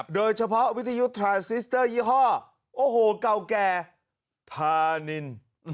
โดยเฉพาะวิทยุทราซิสเตอร์ยี่ห้อโอ้โหเก่าแก่ธานิน